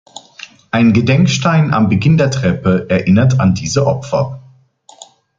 Ein Gedenkstein am Beginn der Treppe erinnert an diese Opfer.